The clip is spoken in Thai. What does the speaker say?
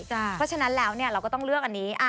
เพราะฉะนั้นแล้วเราก็ต้องเลือกอันนี้